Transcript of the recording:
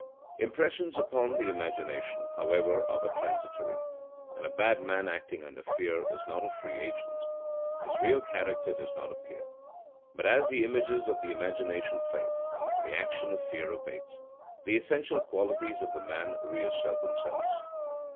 Impressions upon the imagination, however, are but transitory, and a bad man acting under fear is not a free agent; his real character does not appear. But as the images of the imagination fade, and the action of fear abates, the essential qualities of the man reassert themselves.